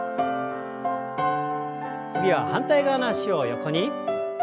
次は反対側の脚を横に。